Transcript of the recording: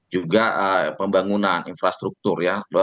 juga pembangunan infrastruktur ya